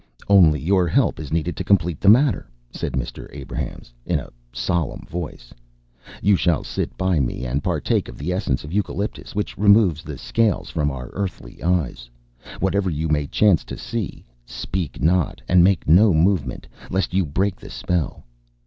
"Only your help is needed to complete the matter," said Mr. Abrahams, in a solemn voice. "You shall sit by me and partake of the essence of Lucoptolycus, which removes the scales from our earthly eyes. Whatever you may chance to see, speak not and make no movement, lest you break the spell."